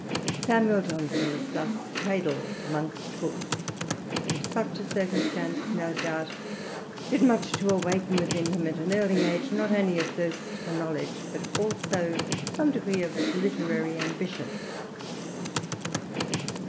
Samuel Johnson was thus cradled amongst books, and such a circumstance, no doubt, did much to awaken within him at an early age not only a thirst for knowledge, but also some degree of literary ambition.